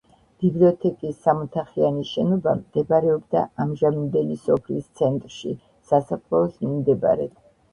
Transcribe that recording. ბიბლიოთეკის სამოთახიანი შენობა მდებარეობდა ამჟამინდელი სოფლის ცენტრში, სასაფლაოს მიმდებარედ.